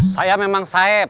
saya memang saeb